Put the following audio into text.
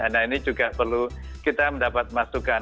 nah ini juga perlu kita mendapat masukan